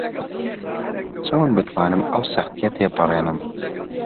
چۆن بتوانم ئەم سەختییە تێپەڕێنم؟